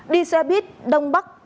đi xe buýt đông bắc